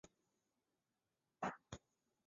首都得名于伏尔加河的突厥语称呼阿的里。